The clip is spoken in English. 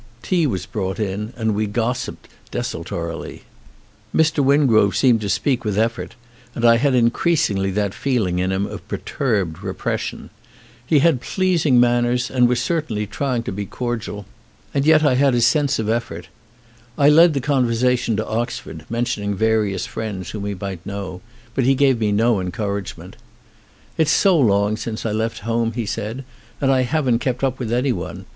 Tea was brought in and we gossiped desul torily. Mr. Wingrove seemed to speak with effort, and I had increasingly that feeling in him of per turbed repression. He had pleasing manners and was certainly trying to be cordial and yet I had 50 FEAR a sense of effort. I led the conversation to Ox ford, mentioning various friends whom he might know, but he gave me no encouragement. "It's so long since I left home," he said, "and I haven't kept up with anyone.